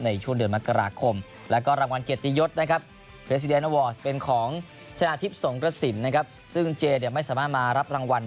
ในช่วงเดือนมักราคมแล้วก็รางวัลเกียรติยศนะครับ